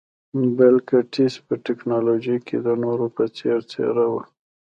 بل ګېټس په ټکنالوژۍ کې د نورو په څېر څېره وه.